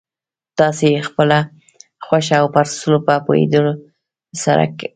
تاسې يې پخپله خوښه او پر اصولو په پوهېدو سره کوئ.